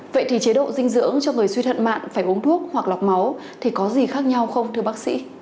vậy thì chế độ dinh dưỡng cho người suy thận mạn phải uống thuốc hoặc lọc máu thì có gì khác nhau không thưa bác sĩ